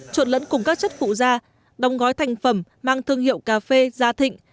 trộn lẫn cùng các chất phụ da đóng gói thành phẩm mang thương hiệu cà phê gia thịnh